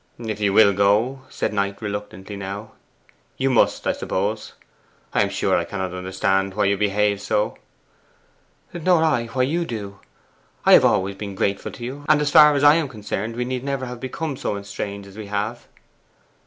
'If you will go,' said Knight, reluctantly now, 'you must, I suppose. I am sure I cannot understand why you behave so.' 'Nor I why you do. I have always been grateful to you, and as far as I am concerned we need never have become so estranged as we have.